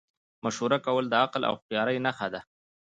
مشوره کول د عقل او هوښیارۍ نښه ده.